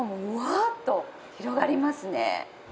うわっと広がりますね。